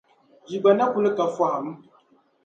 Yi gba na kul ka fahim?